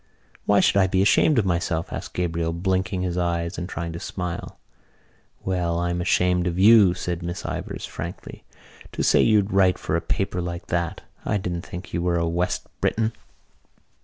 "Why should I be ashamed of myself?" asked Gabriel, blinking his eyes and trying to smile. "Well, I'm ashamed of you," said Miss Ivors frankly. "To say you'd write for a paper like that. I didn't think you were a West Briton."